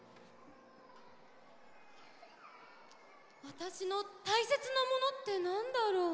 わたしのたいせつなものってなんだろう？